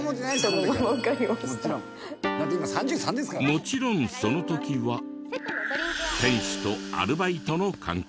もちろんその時は店主とアルバイトの関係。